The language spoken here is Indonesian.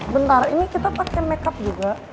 bentar ini kita pakai make up juga